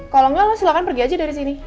kalau enggak lo silahkan pergi aja dari sini